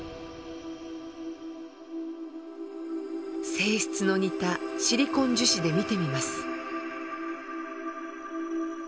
性質の似たシリコン樹脂で見てみます。